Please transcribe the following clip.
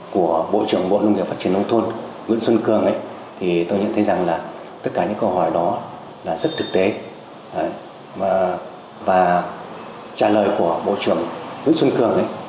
câu hỏi đó rất thực tế và trả lời của bộ trưởng nguyễn xuân cường